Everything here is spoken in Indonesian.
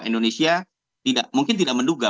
indonesia mungkin tidak menduga